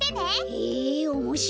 へえおもしろそう。